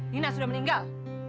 nina sudah meninggal